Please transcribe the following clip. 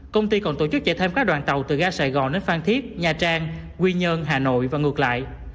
công ty còn tổ chức chạy thêm các đoàn tàu từ ga sài gòn đến phan thiết nha trang quy nhơn hà nội và ngược lại